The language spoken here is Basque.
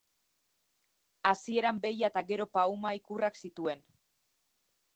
Hasieran behia eta gero pauma ikurrak zituen.